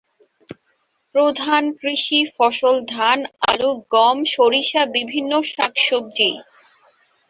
প্রধান কৃষি ফসল ধান, আলু, গম, সরিষা, বিভিন্ন শাকসবজি।